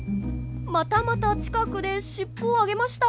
またまた近くでしっぽを上げました。